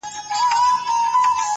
میاشته کېږي بې هویته” بې فرهنګ یم”